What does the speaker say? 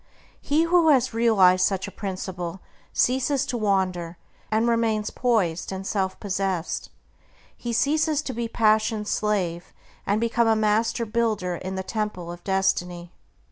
He who has realized such a principle ceases to wander, and remains poised and self possessed. He ceases to be "passion's slave," and becomes a master builder in the Temple of Destiny.